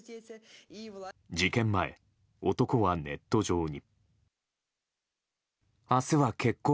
事件前、男はネット上に。